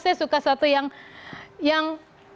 saya suka satu yang yang